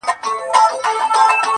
تاو یې دی له سره خو حریر خبري نه کوي،